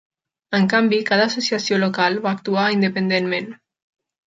En canvi, cada associació local va actuar independentment.